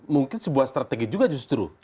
mungkin sebuah strategi juga justru